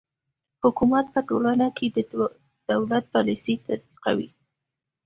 حکومت په ټولنه کې د دولت پالیسي تطبیقوي.